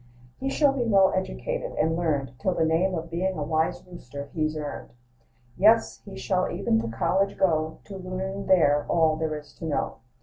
"He shall be well educated and learned, Till the name of being a wise rooster he's earned: Yes, he shall even to college go, To learn there all there is to know.